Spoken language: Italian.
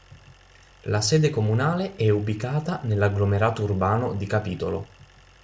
La sede comunale è ubicata nell'agglomerato urbano di Capitolo.